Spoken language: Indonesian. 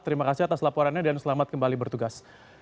terima kasih atas laporannya dan selamat kembali bertugas